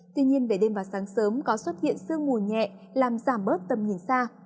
tuy nhiên về đêm và sáng sớm có xuất hiện sương mù nhẹ làm giảm bớt tầm nhìn xa